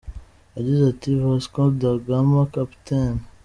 Yagize ati “Vasco da Gama, Capt.